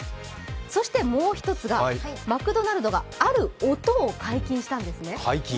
そしてもう一つがマクドナルドがマクドナルドがある音を解禁したんですね。